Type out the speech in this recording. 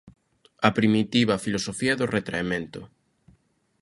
A primitiva filosofía do retraemento.